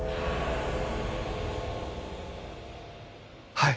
はい。